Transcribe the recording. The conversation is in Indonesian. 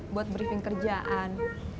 buat briefing kerjaan